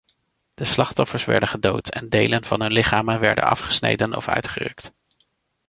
De slachtoffers werden gedood en delen van hun lichamen werden afgesneden of uitgerukt.